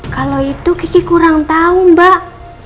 kalau itu kiki kurang tahu mbak